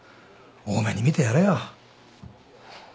大目に見てやれよ。